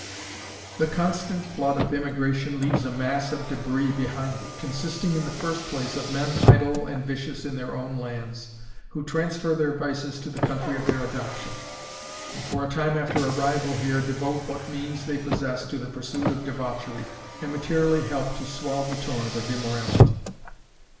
The constant flood of immigration leaves a mass of debris behind it, consisting, in the first place, of men idle and vicious in their own lands, who transfer their vices to the country of their adoption, and for a time after arrival here devote what means they possess to the pursuit of debauchery, and materially help to swell the torrent of immorality.